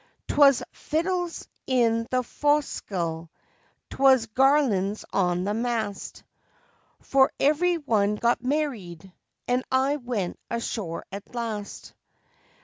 'Twas fiddles in the foc'sle 'twas garlands on the mast, For every one got married, and I went ashore at last.